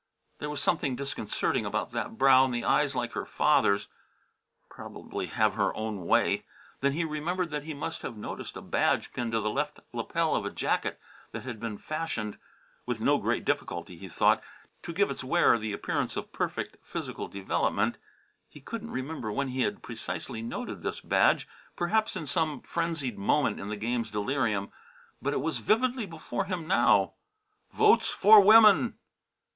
There was something disconcerting about that brow and the eyes like her father's probably have her own way! Then he remembered that he must have noticed a badge pinned to the left lapel of a jacket that had been fashioned with no great difficulty, he thought to give its wearer the appearance of perfect physical development. He couldn't remember when he had precisely noted this badge, perhaps in some frenzied moment in the game's delirium, but it was vividly before him now "VOTES FOR WOMEN!"